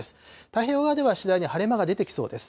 太平洋側では次第に晴れ間が出てきそうです。